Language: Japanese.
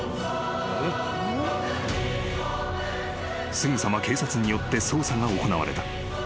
［すぐさま警察によって捜査が行われた］